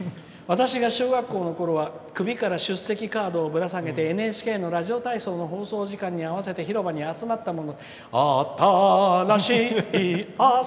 「私が小学校のころは首から出席カードをぶら下げて ＮＨＫ のラジオ体操の放送時間に合わせて広場に集まったもの」。